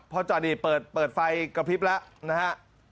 พอจอดนี่เปิดไฟกระพริบแล้วนะฮะ